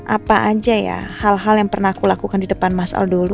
apa aja ya hal hal yang pernah aku lakukan di depan mas aldolu